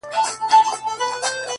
يو سړی لکه عالم درپسې ژاړي!!